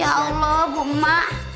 ya allah buma